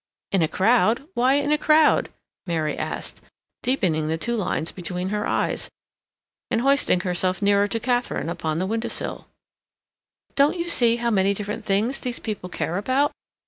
"In a crowd? Why in a crowd?" Mary asked, deepening the two lines between her eyes, and hoisting herself nearer to Katharine upon the window sill. "Don't you see how many different things these people care about?